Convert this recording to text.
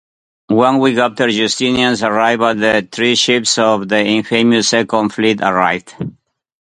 One week after "Justinian"s arrival, the three ships of the infamous Second Fleet arrived.